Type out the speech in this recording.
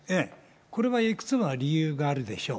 これはいくつか理由があるでしょう。